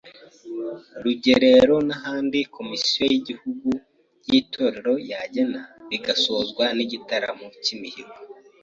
rugerero n’ahandi Komisiyo y’Igihugu y’Itorero yagena bigasozwa n’igitaramo cy’imihigo.